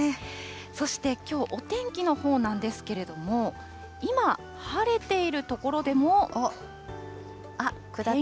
そしてきょう、お天気のほうなんですけれども、今、晴れていあっ、下って。